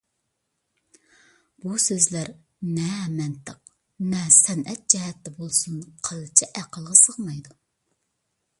بۇ سۆزلەر نە مەنتىق، نە سەنئەت جەھەتتە بولسۇن قىلچە ئەقىلگە سىغمايدۇ.